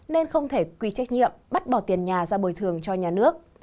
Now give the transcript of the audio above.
nên không thể quy trách nhiệm bắt bỏ tiền nhà ra bồi thường cho nhà nước